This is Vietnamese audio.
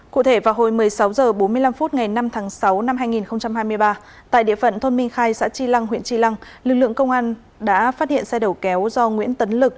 cụ thể vào hồi một mươi sáu h bốn mươi năm phút ngày năm tháng sáu năm hai nghìn hai mươi ba tại địa phận thôn minh khai xã tri lăng huyện tri lăng lực lượng công an đã phát hiện xe đầu kéo do nguyễn tấn lực